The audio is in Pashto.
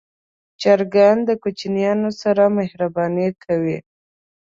چرګان د کوچنیانو سره مهرباني کوي.